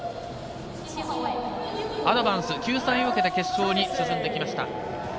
アドバンス、救済を受けて決勝に進んできました。